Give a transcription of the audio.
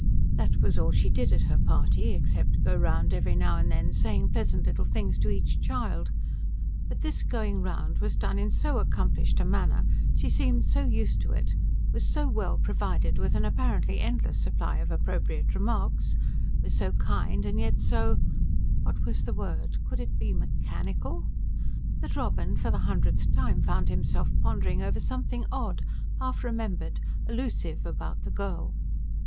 That was all she did at her party, except go round every now and then saying pleasant little things to each child; but this going round was done in so accomplished a manner, she seemed so used to it, was so well provided with an apparently endless supply of appropriate remarks, was so kind, and yet so what was the word? could it be mechanical? that Robin for the hundredth time found himself pondering over something odd, half remembered, elusive about the girl.